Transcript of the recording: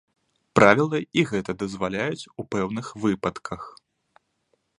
Правілы і гэта дазваляюць у пэўных выпадках.